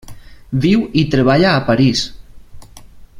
Viu i treballa a París.